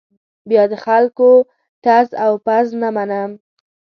بیا د خلکو ټز او پز نه منم.